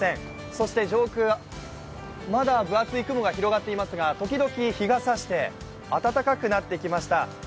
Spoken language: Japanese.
そして上空、まだ分厚い雲が広がっていますが、時々日がさして暖かくなってきました。